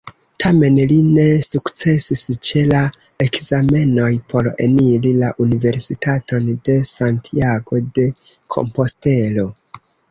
Tamen, li ne sukcesis ĉe la ekzamenoj por eniri la Universitaton de Santiago-de-Kompostelo.